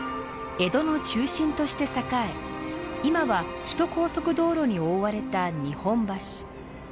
江戸の中心として栄え今は首都高速道路に覆われた日本橋。